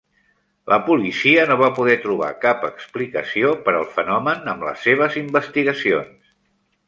La policia no va poder trobar cap explicació per al fenomen amb les seves investigacions.